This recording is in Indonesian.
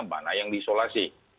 mana yang diisolasi